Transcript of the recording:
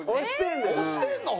押してんのよ。